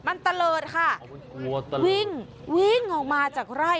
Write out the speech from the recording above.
มันตะเลิดค่ะงัวตะเลิดวิ่งวิ่งออกมาจากไร่